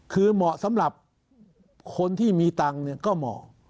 คือเหมาะสำหรับคนที่มีตังค์ก็เหมาะ